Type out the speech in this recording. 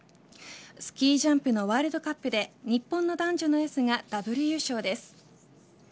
スキージャンプのワールドカップで日本の男女のエースがダブル優勝です。